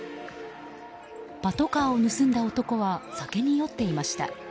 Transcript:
パトカーを盗んだ男は酒に酔っていました。